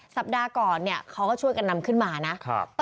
สัปดาห์ก่อนเนี่ยเขาก็ช่วยกันนำขึ้นมานะ